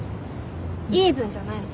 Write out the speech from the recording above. イーブンじゃないの。